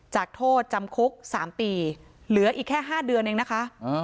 โทษจำคุก๓ปีเหลืออีกแค่๕เดือนเองนะคะ